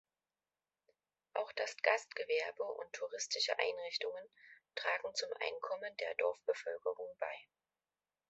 Auch das Gastgewerbe und touristische Einrichtungen tragen zum Einkommen der Dorfbevölkerung bei.